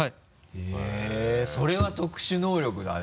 へぇそれは特殊能力だね。